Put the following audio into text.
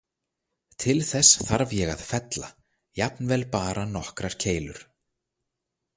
Til þess þarf ég að fella, jafnvel bara nokkrar keilur.